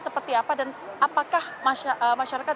seperti apa dan apakah masyarakat